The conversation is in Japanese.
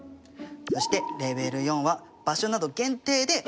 そしてレベル４は場所など限定で完全自動運転。